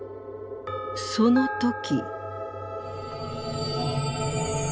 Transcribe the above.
その時」。